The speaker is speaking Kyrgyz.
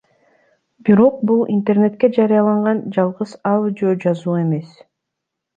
Бирок бул интернетке жарыяланган жалгыз аудиожазуу эмес.